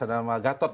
ada nama gatot